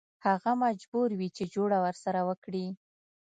هغه مجبور وي چې جوړه ورسره وکړي.